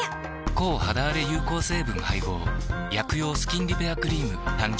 抗肌あれ有効成分配合薬用スキンリペアクリーム誕生